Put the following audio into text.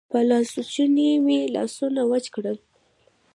په لاسوچوني مې لاسونه وچ کړل.